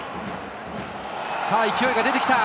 勢いが出てきた。